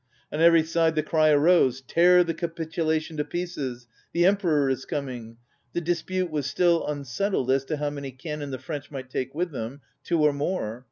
On every side the cry arose: " Tear the capitulation to pieces, the Em peror is coming! The dispute was 56 ON READING still unsettled as to how many can non the French might take with them, ŌĆö two or more.